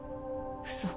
嘘